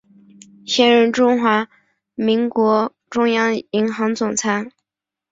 现任中华民国中央银行总裁。